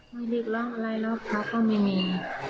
ไม่รีบหรอกอะไรหรอกเขาก็ไม่มี